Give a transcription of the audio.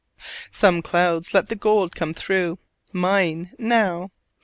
Some clouds let the gold come through; mine, now.